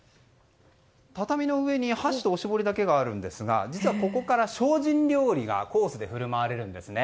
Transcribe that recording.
畳の上に、箸とおしぼりだけがあるんですが実は、ここから精進料理がコースで振る舞われるんですね。